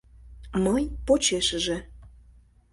Мый — почешыже.